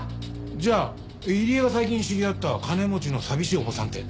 じゃあ入江が最近知り合った金持ちの寂しいおばさんって。